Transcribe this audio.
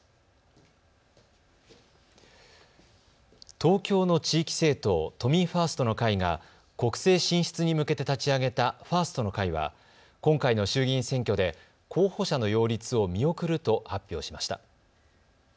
東京の地域政党、都民ファーストの会が国政進出に向けて立ち上げたファーストの会は今回の衆議院選挙で候補者の擁立を見送ると発表しました。